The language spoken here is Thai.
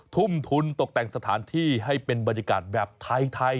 ทุ่มทุนตกแต่งสถานที่ให้เป็นบรรยากาศแบบไทย